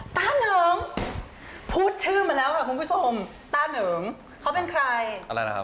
ตาเหนิงพูดชื่อมาแล้วค่ะคุณผู้ชมตาเหนิงเขาเป็นใครอะไรนะครับ